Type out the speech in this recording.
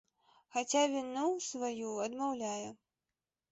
Хаця віну сваю адмаўляе.